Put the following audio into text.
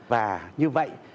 và như vậy